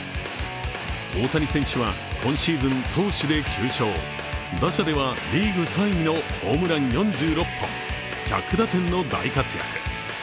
大谷選手は今シーズン投手で９勝打者ではリーグ３位のホームラン４６本１００打点の大活躍。